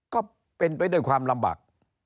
ก็เป็นไปด้วยความลำบาก